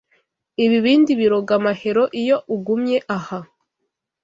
Ibibindi biroga Mahero iyo ugumye aha